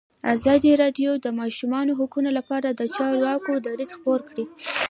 ازادي راډیو د د ماشومانو حقونه لپاره د چارواکو دریځ خپور کړی.